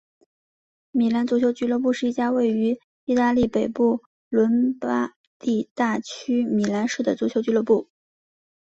米兰足球俱乐部是一家位于义大利北部伦巴第大区米兰市的足球俱乐部。